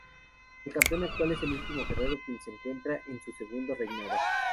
El campeón actual es Último Guerrero, quien se encuentra en su segundo reinado.